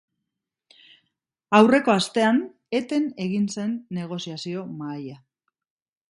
Aurreko astean eten egin zen negoziazio mahaia.